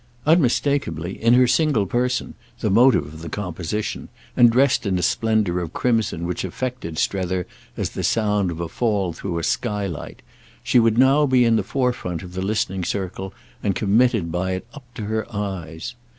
Unmistakeably, in her single person, the motive of the composition and dressed in a splendour of crimson which affected Strether as the sound of a fall through a skylight, she would now be in the forefront of the listening circle and committed by it up to her eyes.